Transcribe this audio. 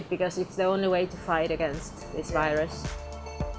saya pikir itu bagus karena ini adalah cara yang terakhir untuk melawan virus ini